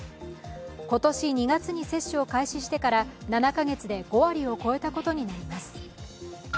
今年２月に接種を開始してから７カ月で５割を超えたことになります。